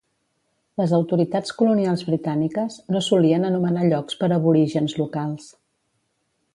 Les autoritats colonials britàniques no solien anomenar llocs per aborígens locals.